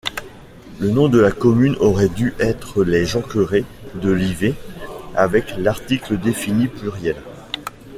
Le nom de la commune aurait dû être les Jonquerets-de-Livet avec l'article défini pluriel.